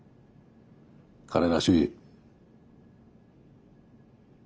彼らしい。